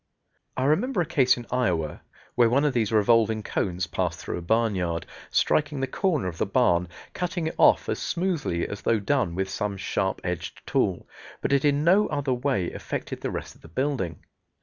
I remember a case in Iowa, where one of these revolving cones passed through a barnyard, striking the corner of the barn, cutting it off as smoothly as though done with some sharp edged tool, but it in no other way affected the rest of the building.